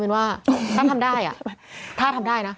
มีนว่าป้าทำได้อ่ะ